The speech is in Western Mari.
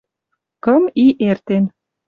кым и эртен